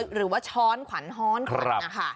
หรือว่าช้อนขวัญฮ้อนขวัญนะคะ